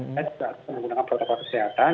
kita juga harus menggunakan protokol kesehatan